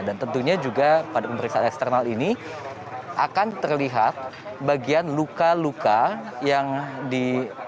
tentunya juga pada pemeriksaan eksternal ini akan terlihat bagian luka luka yang di